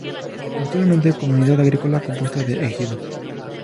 Actualmente comunidad agrícola compuesta de ejidos.